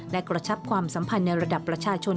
และกระชับความสัมพันธ์ในระดับประชาชน